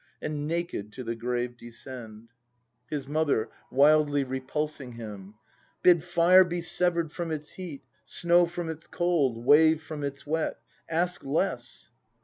And naked to the grave descend. His Mother. [Wildly repulsing himi\ Bid fire be sever'd from its heat. Snow from its cold, wave from its wet! Ask less!